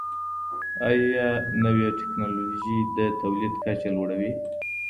ايا نوې ټکنالوژي د تولید کچه لوړوي؟